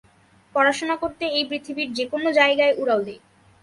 পড়াশোনা করতে এই পৃথিবীর যেকোন জায়গায় উড়াল দে।